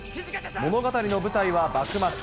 物語の舞台は幕末。